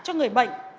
cho người bệnh